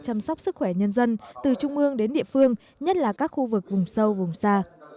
chăm sóc sức khỏe nhân dân từ trung ương đến địa phương nhất là các khu vực vùng sâu vùng xa